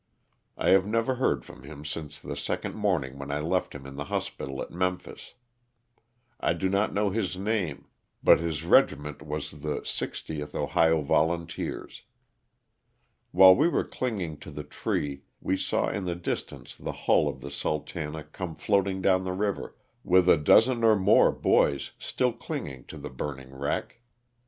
I have never heard from him since the second morning when I left him in the hospital at Memphis. I do not know his name, but his regiment was the 60th LOSS OF THE SULTANA. 209 Ohio Volunteers. While we were clinging to the tree we saw in the distance the hull of the Sultana" come floating down the river, with a dozen or more boys still clinging to the burning wreck.